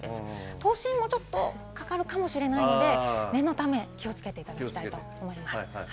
都心もちょっとかかるかもしれないので、念のため、気をつけていただきたいと思います。